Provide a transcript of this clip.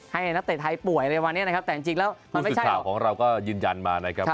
ให้นักเตะไทยป่วยอะไรว่านี้นะครับแต่จริงจริงแล้วมันไม่ใช่ของเราก็ยืนยันมานะครับ